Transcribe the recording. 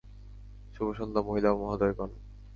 শুভ সন্ধ্যা মহিলা ও মহোদয়গণ।